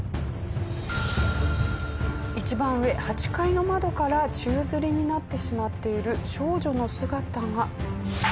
一番上８階の窓から宙吊りになってしまっている少女の姿が。